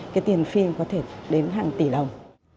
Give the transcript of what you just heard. cái tiền phim có thể đến hàng tỷ đồng